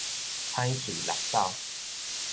歹喙搦斗